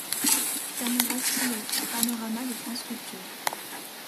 Camera Stylo, Panorama de France Culture.